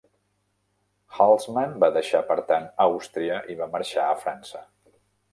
Halsman va deixar per tant Àustria i va marxar a França.